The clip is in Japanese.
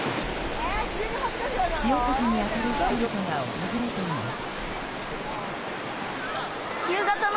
潮風に当たる人々が訪れています。